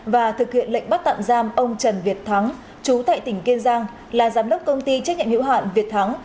và thực hiện lệnh bắt tạm giam ông trần việt thắng chú tại tỉnh kiên giang là giám đốc công ty trách nhiệm hiệu hạn việt thắng